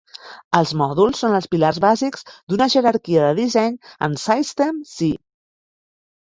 Els mòduls són els pilars bàsics d'una jerarquia de disseny en SystemC.